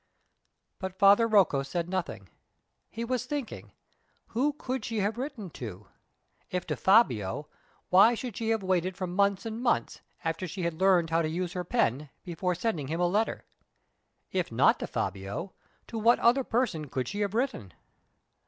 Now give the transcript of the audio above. But Father Rocco said nothing. He was thinking. Who could she have written to? If to Fabio, why should she have waited for months and months, after she had learned how to use her pen, before sending him a letter? If not to Fabio, to what other person could she have written?